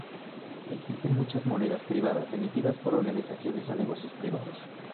Existen muchas monedas privadas emitidas por organizaciones o negocios privados.